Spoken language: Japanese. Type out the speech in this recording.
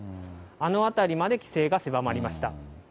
あの辺りまで規制が狭まりました。